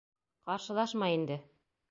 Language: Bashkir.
Ҡаршылашма инде.